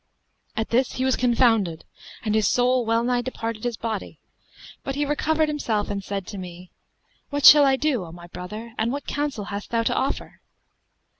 At this, he was confounded and his soul well nigh departed his body, but he recovered himself and said to me, 'What shall I do, O my brother, and what counsel hast thou to offer.'